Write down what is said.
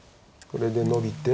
これでノビて。